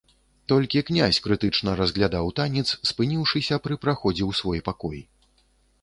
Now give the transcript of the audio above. Толькі князь крытычна разглядаў танец, спыніўшыся пры праходзе ў свой пакой.